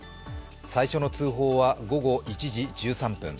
最初の通報は午後１時１３分。